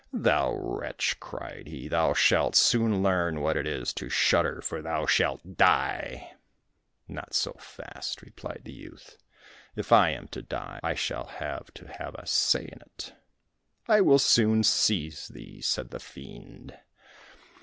"Thou wretch," cried he, "thou shalt soon learn what it is to shudder, for thou shalt die." "Not so fast," replied the youth. "If I am to die, I shall have to have a say in it." "I will soon seize thee," said the fiend.